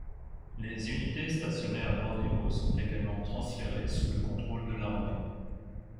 Les unités stationnées à Bornéo sont également transférées sous le contrôle de l'armée.